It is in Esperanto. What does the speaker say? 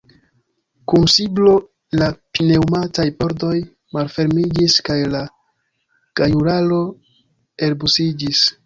Kun siblo la pneŭmataj pordoj malfermiĝis kaj la gajularo elbusiĝis.